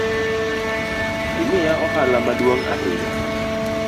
Imiya ohala maduong’ ahinya